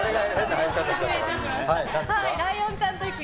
ライオンちゃんと行く！